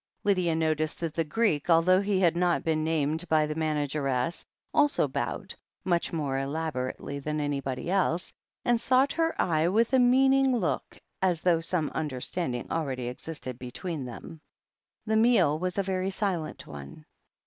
Lydia noticed that the Greek, although he had not been named by the manageress, also bowed, much more elaborately than anybody else, and sought her eye with a meaning look, as though some understanding already existed between them. The meal was a very silent one.